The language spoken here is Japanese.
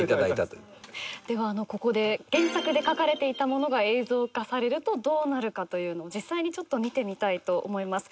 ではここで原作で書かれていたものが映像化されるとどうなるかというのを実際に見てみたいと思います。